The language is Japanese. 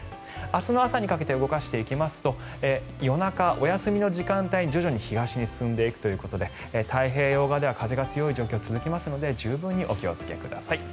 明日の朝にかけて動かしていきますと夜中、お休みの時間帯に徐々に東に進んでいくということで太平洋側では風が強い状況が続きますので十分にお気をつけください。